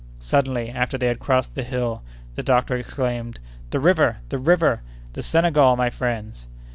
Suddenly, after they had crossed the hill, the doctor exclaimed: "The river! the river! the Senegal, my friends!"